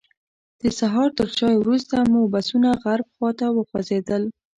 د سهار تر چایو وروسته مو بسونه غرب خواته وخوځېدل.